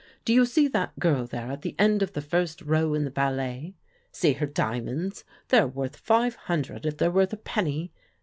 Do you see that girl there at the end of the first row in the ballet? See her diamonds? They're worth five hundred if they're worth a penny.